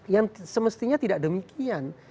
yang semestinya tidak demikian